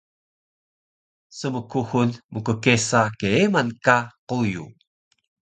Smkuxul mkkesa keeman ka quyu